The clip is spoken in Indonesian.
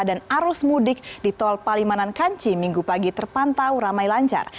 dan arus mudik di tol palimanan kanci minggu pagi terpantau ramai lancar